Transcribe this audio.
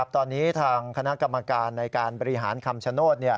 ตอนนี้ทางคณะกรรมการในการบริหารคำชโนธ